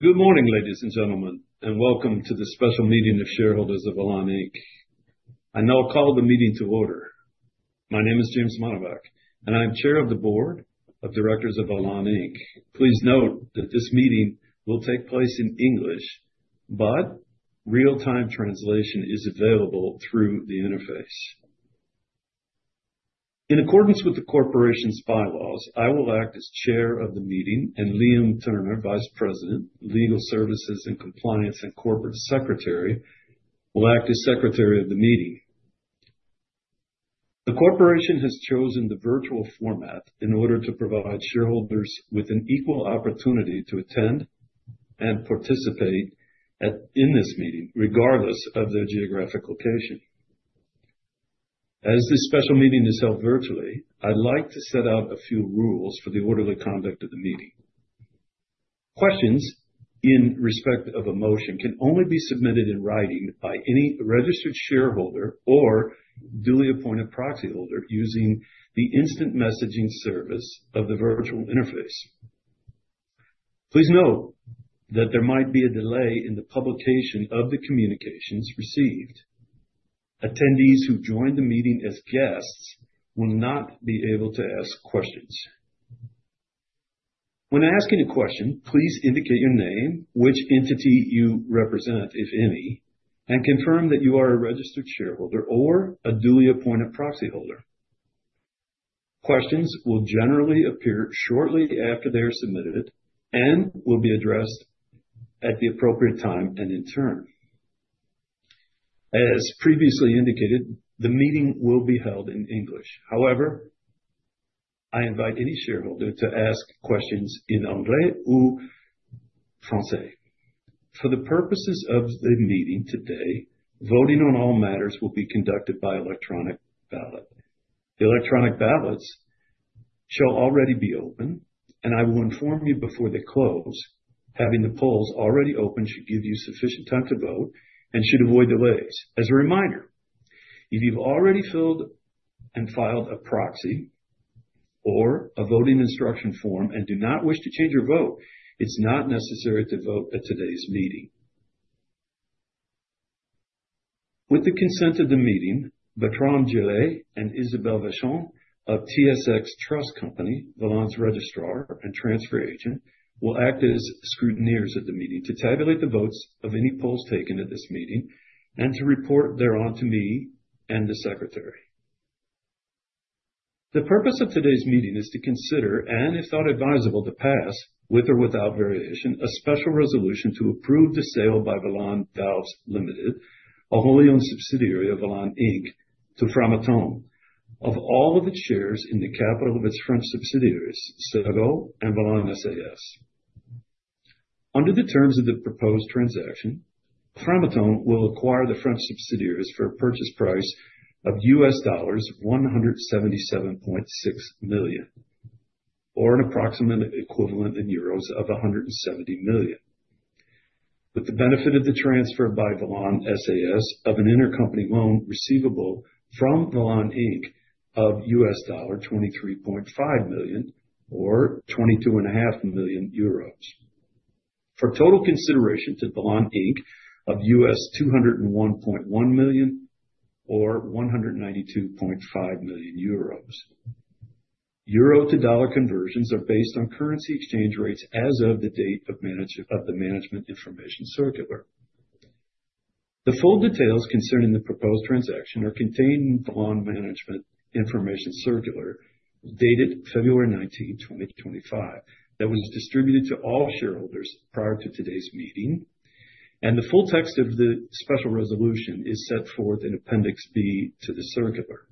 Good morning, ladies and gentlemen, and welcome to the special meeting of shareholders of Velan Inc. I now call the meeting to order. My name is James Mannebach, and I am Chair of the Board of Directors of Velan Inc. Please note that this meeting will take place in English, but real-time translation is available through the interface. In accordance with the corporation's bylaws, I will act as Chair of the meeting, and Liam Turner, Vice President, Legal Services and Compliance, and Corporate Secretary, will act as Secretary of the meeting. The corporation has chosen the virtual format in order to provide shareholders with an equal opportunity to attend and participate in this meeting, regardless of their geographic location. As this special meeting is held virtually, I'd like to set out a few rules for the orderly conduct of the meeting. Questions in respect of a motion can only be submitted in writing by any registered shareholder or duly appointed proxy holder using the instant messaging service of the virtual interface. Please note that there might be a delay in the publication of the communications received. Attendees who join the meeting as guests will not be able to ask questions. When asking a question, please indicate your name, which entity you represent, if any, and confirm that you are a registered shareholder or a duly appointed proxy holder. Questions will generally appear shortly after they are submitted and will be addressed at the appropriate time and in turn. As previously indicated, the meeting will be held in English. However, I invite any shareholder to ask questions in Anglais or Français. For the purposes of the meeting today, voting on all matters will be conducted by electronic ballot. The electronic ballots shall already be open, and I will inform you before they close. Having the polls already open should give you sufficient time to vote and should avoid delays. As a reminder, if you've already filled and filed a proxy or a voting instruction form and do not wish to change your vote, it's not necessary to vote at today's meeting. With the consent of the meeting, Bertrand Gillet and Isabelle Vachon of TSX Trust Company, Velan's registrar and transfer agent, will act as scrutineers at the meeting to tabulate the votes of any polls taken at this meeting and to report thereon to me and the secretary. The purpose of today's meeting is to consider, and if thought advisable, to pass, with or without variation, a special resolution to approve the sale by Velan Valves Limited, a wholly owned subsidiary of Velan, to Framatome of all of its shares in the capital of its French subsidiaries, Segault SAS and Velan SAS. Under the terms of the proposed transaction, Framatome will acquire the French subsidiaries for a purchase price of $177.6 million, or an approximate equivalent in 170 million euros, with the benefit of the transfer by Velan SAS of an intercompany loan receivable from Velan of $23.5 million or 22.5 million euros, for total consideration to Velan of $201.1 million or 192.5 million euros. Euro to dollar conversions are based on currency exchange rates as of the date of the Management Information Circular. The full details concerning the proposed transaction are contained in the Velan Management Information Circular dated February 19, 2025, that was distributed to all shareholders prior to today's meeting, and the full text of the special resolution is set forth in Appendix B to the circular.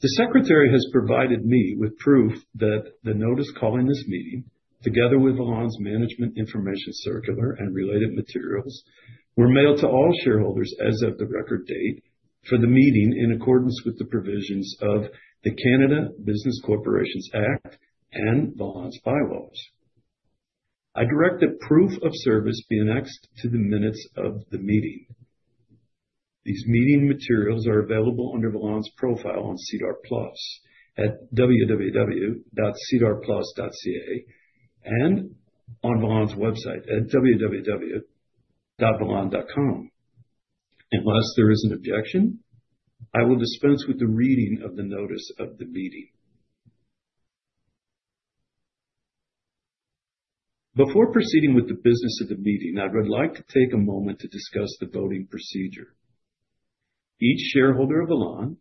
The Secretary has provided me with proof that the notice calling this meeting, together with Velan's Management Information Circular and related materials, were mailed to all shareholders as of the record date for the meeting in accordance with the provisions of the Canada Business Corporations Act and Velan's bylaws. I direct that proof of service be annexed to the minutes of the meeting. These meeting materials are available under Velan's profile on SEDAR+ at www.sedarplus.ca and on Velan's website at www.velan.com. Unless there is an objection, I will dispense with the reading of the notice of the meeting. Before proceeding with the business of the meeting, I would like to take a moment to discuss the voting procedure. Each shareholder of Velan,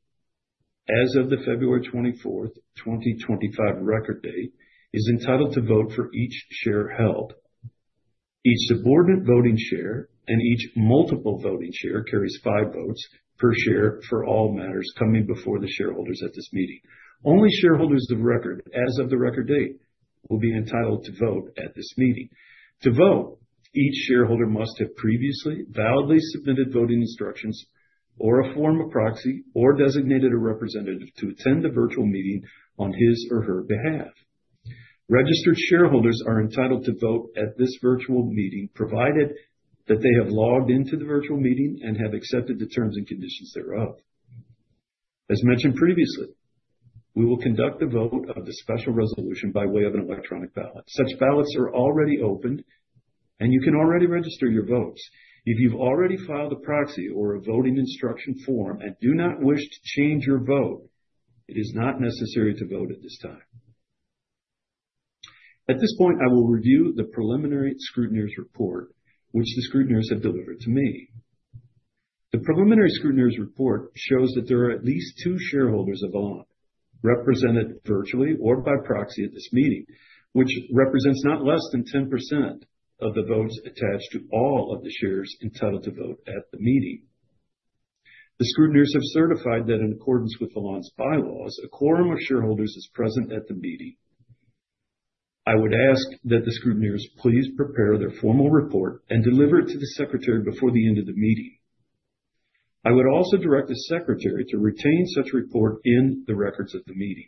as of the February 24, 2025, record date, is entitled to vote for each share held. Each subordinate voting share and each multiple voting share carries five votes per share for all matters coming before the shareholders at this meeting. Only shareholders of record, as of the record date, will be entitled to vote at this meeting. To vote, each shareholder must have previously validly submitted voting instructions or a form of proxy or designated a representative to attend the virtual meeting on his or her behalf. Registered shareholders are entitled to vote at this virtual meeting, provided that they have logged into the virtual meeting and have accepted the terms and conditions thereof. As mentioned previously, we will conduct the vote of the special resolution by way of an electronic ballot. Such ballots are already opened, and you can already register your votes. If you've already filed a proxy or a voting instruction form and do not wish to change your vote, it is not necessary to vote at this time. At this point, I will review the preliminary scrutineers report, which the scrutineers have delivered to me. The preliminary scrutineers report shows that there are at least two shareholders of Velan represented virtually or by proxy at this meeting, which represents not less than 10% of the votes attached to all of the shares entitled to vote at the meeting. The scrutineers have certified that, in accordance with Velan's bylaws, a quorum of shareholders is present at the meeting. I would ask that the scrutineers please prepare their formal report and deliver it to the secretary before the end of the meeting. I would also direct the secretary to retain such report in the records of the meeting.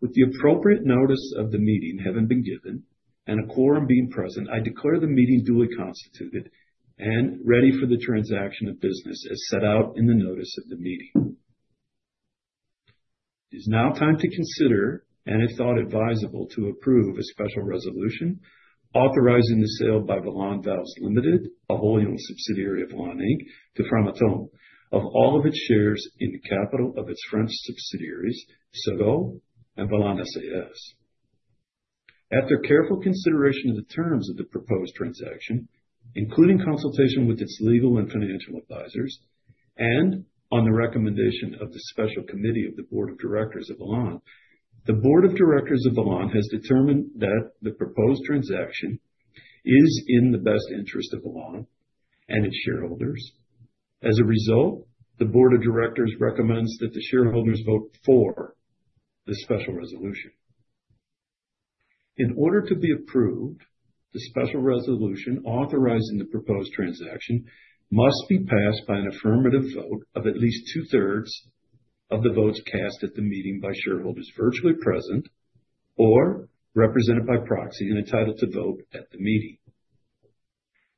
With the appropriate notice of the meeting having been given and a quorum being present, I declare the meeting duly constituted and ready for the transaction of business as set out in the notice of the meeting. It is now time to consider and if thought advisable to approve a special resolution authorizing the sale by Velan Valves Limited, a wholly owned subsidiary of Velan, to Framatome of all of its shares in the capital of its French subsidiaries, Segault SAS and Velan SAS. After careful consideration of the terms of the proposed transaction, including consultation with its legal and financial advisors, and on the recommendation of the special committee of the Board of Directors of Velan, the Board of Directors of Velan has determined that the proposed transaction is in the best interest of Velan and its shareholders. As a result, the Board of Directors recommends that the shareholders vote for the special resolution. In order to be approved, the special resolution authorizing the proposed transaction must be passed by an affirmative vote of at least two-thirds of the votes cast at the meeting by shareholders virtually present or represented by proxy and entitled to vote at the meeting.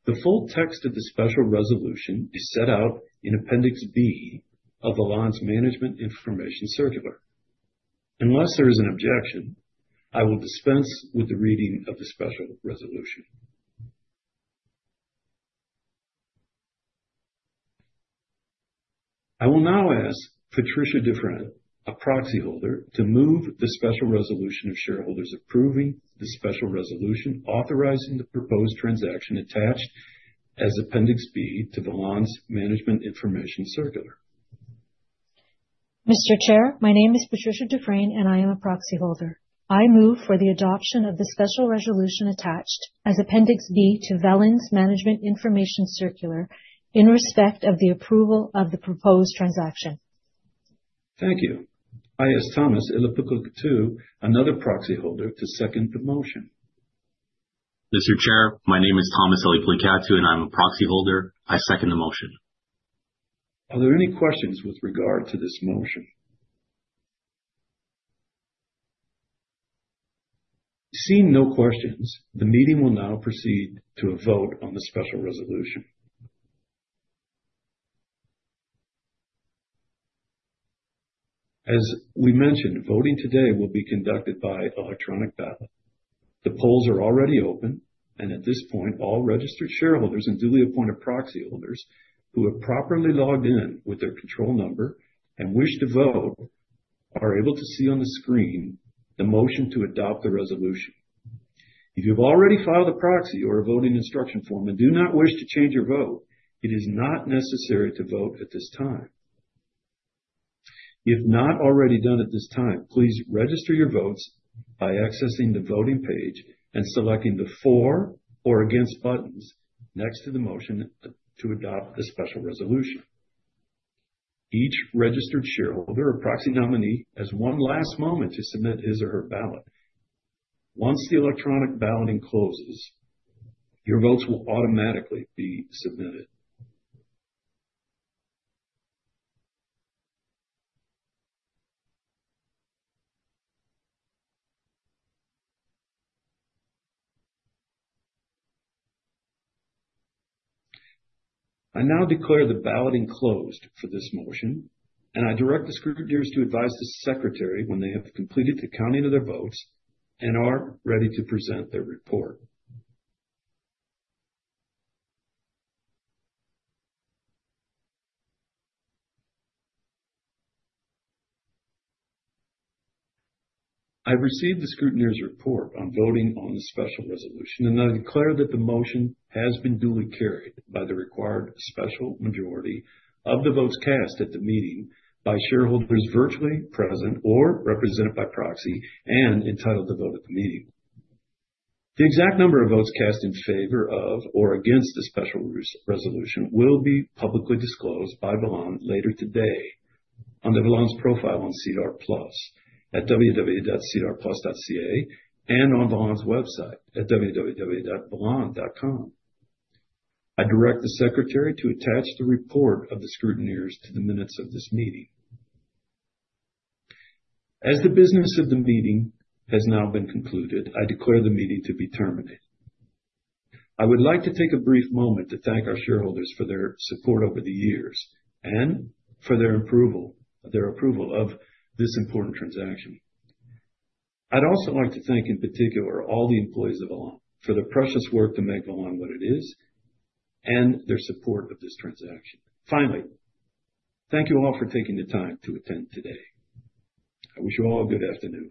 The full text of the special resolution is set out in Appendix B of Velan's Management Information Circular. Unless there is an objection, I will dispense with the reading of the special resolution. I will now ask Patricia Dufresne, a Proxy Holder, to move the special resolution of shareholders approving the special resolution authorizing the proposed transaction attached as Appendix B to Velan's Management Information Circular. Mr. Chair, my name is Patricia Dufresne, and I am a Proxy Holder. I move for the adoption of the special resolution attached as Appendix B to Velan's Management Information Circular in respect of the approval of the proposed transaction. Thank you. I ask Thomas Elipulikattu, another Proxy Holder, to second the motion. Mr. Chair, my name is Thomas Elipulikattu, and I'm a Proxy Holder. I second the motion. Are there any questions with regard to this motion? Seeing no questions, the meeting will now proceed to a vote on the special resolution. As we mentioned, voting today will be conducted by electronic ballot. The polls are already open, and at this point, all registered shareholders and duly appointed proxy holders who have properly logged in with their control number and wish to vote are able to see on the screen the motion to adopt the resolution. If you've already filed a proxy or a voting instruction form and do not wish to change your vote, it is not necessary to vote at this time. If not already done at this time, please register your votes by accessing the voting page and selecting the for or against buttons next to the motion to adopt the special resolution. Each registered shareholder or proxy nominee has one last moment to submit his or her ballot. Once the electronic balloting closes, your votes will automatically be submitted. I now declare the balloting closed for this motion, and I direct the scrutineers to advise the secretary when they have completed the counting of their votes and are ready to present their report. I've received the scrutineers' report on voting on the special resolution, and I declare that the motion has been duly carried by the required special majority of the votes cast at the meeting by shareholders virtually present or represented by proxy and entitled to vote at the meeting. The exact number of votes cast in favor of or against the special resolution will be publicly disclosed by Velan later today on Velan's profile on SEDAR+ at www.sedarplus.ca and on Velan's website at www.velan.com. I direct the secretary to attach the report of the scrutineers to the minutes of this meeting. As the business of the meeting has now been concluded, I declare the meeting to be terminated. I would like to take a brief moment to thank our shareholders for their support over the years and for their approval of this important transaction. I'd also like to thank in particular all the employees of Velan for the precious work to make Velan what it is and their support of this transaction. Finally, thank you all for taking the time to attend today. I wish you all a good afternoon.